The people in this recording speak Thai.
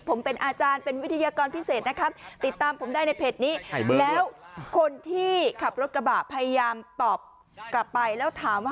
ผมเป็นอาจารย์เป็นวิทยากรพิเศษนะครับติดตามผมได้ในเพจนี้แล้วคนที่ขับรถกระบะพยายามตอบกลับไปแล้วถามว่า